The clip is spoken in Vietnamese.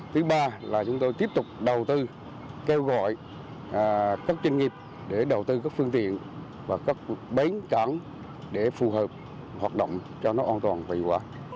thứ ba là chúng tôi tiếp tục đầu tư kêu gọi các doanh nghiệp để đầu tư các phương tiện và các bến cán để phù hợp hoạt động cho nó an toàn vĩ quả